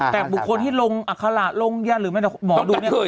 แต่บุคคลที่ลงอัคระลงยาหรือไม่หมอดูเนี่ย